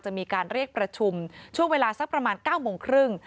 มีการเรียกประชุมช่วงเวลาสักประมาณ๙โมงครึ่ง